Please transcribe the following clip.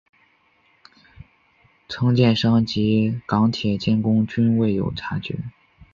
承建商及港铁监工均未有察觉。